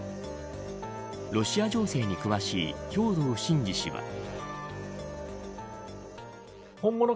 ロシア情勢に詳しい兵藤慎治氏は。